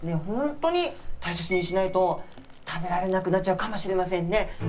ほんとに大切にしないと食べられなくなっちゃうかもしれませんね。